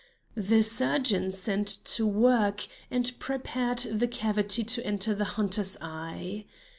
The surgeon set to work and prepared the cavity to receive the hunter's eye.